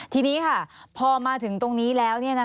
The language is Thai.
ทีนี้ค่ะพอมาถึงตรงนี้แล้ว